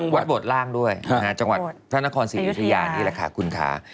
วัดโบดล่างด้วยจังหวัดพระนครศรีอยุธยานี่แหละค่ะคุณค่ะ